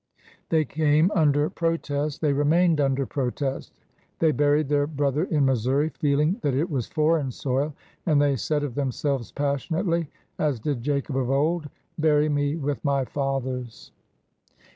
They came under protest; they remained under protest. They buried their brother in Missouri, feeling that it was foreign soil, and they said of themselves passionately, as did Jacob of old, " Bury me with my fathers."